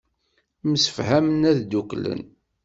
Msefhamen ad dduklen.